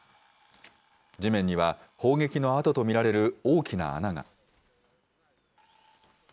地面には、砲撃の痕と見られる大きな穴が。